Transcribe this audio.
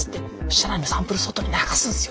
社内のサンプル外に流すんすよ？